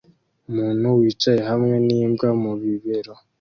umuntu wicaye hamwe n'imbwa mu bibero